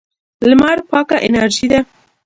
لمر پاکه انرژي ده.